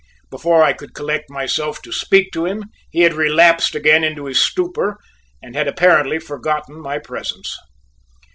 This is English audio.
Before I could collect myself to speak to him, he had relapsed again into his stupor and had apparently forgotten my presence.